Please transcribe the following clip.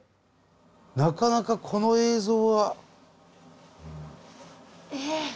なかなかこの映像は。え！